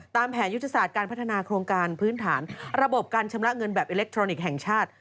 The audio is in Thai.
แผนยุทธศาสตร์การพัฒนาโครงการพื้นฐานระบบการชำระเงินแบบอิเล็กทรอนิกส์แห่งชาติ